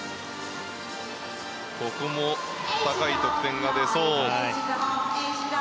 ここも高い得点が出そう。